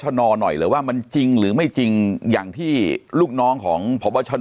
นอหน่อยเลยว่ามันจริงหรือไม่จริงอย่างที่ลูกน้องของพบชน